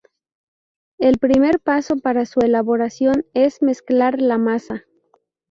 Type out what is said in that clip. El primer paso para su elaboración es mezclar la masa.